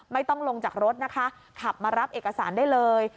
ไม่ต้องลงจากรถนะคะขับมารับเอกสารได้เลย